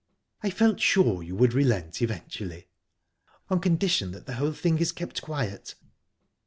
"I felt sure you would relent eventually." "On condition that the whole thing is kept quiet."